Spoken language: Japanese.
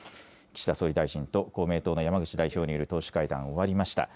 岸田総理大臣と公明党の山口代表による党首会談、終わりました。